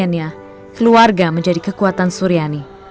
dengan keluarga menjadi kekuatan suryani